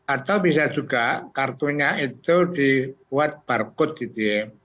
atau bisa juga kartunya itu dibuat barcode itu ya